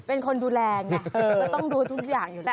เป็นคนดูแลไงก็ต้องดูทุกอย่างอยู่แล้ว